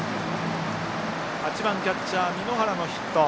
８番キャッチャー、簑原のヒット。